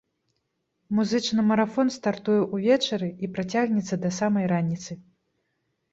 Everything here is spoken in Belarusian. Музычны марафон стартуе ўвечары і працягнецца да самай раніцы.